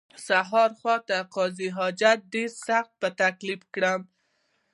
سهار خواته قضای حاجت ډېر سخت په تکلیف کړم.